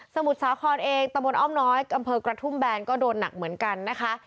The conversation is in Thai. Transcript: มุทรสาครเองตะบนอ้อมน้อยอำเภอกระทุ่มแบนก็โดนหนักเหมือนกันนะคะ